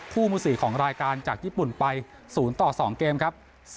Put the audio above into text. มือ๔ของรายการจากญี่ปุ่นไป๐ต่อ๒เกมครับ